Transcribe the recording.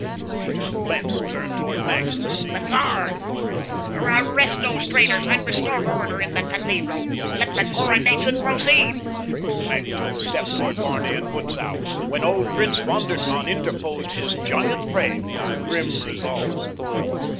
Peter of Blentz turned toward Maenck. "The guard!" he cried. "Arrest those traitors, and restore order in the cathedral. Let the coronation proceed." Maenck took a step toward Barney and Butzow, when old Prince von der Tann interposed his giant frame with grim resolve.